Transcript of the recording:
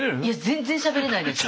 全然しゃべれないです。